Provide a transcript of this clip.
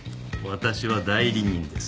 私は代理人です。